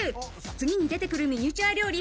次に出てくるミニチュア料理。